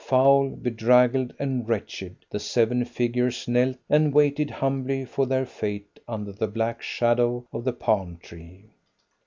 Foul, bedraggled, and wretched, the seven figures knelt and waited humbly for their fate under the black shadow of the palm tree.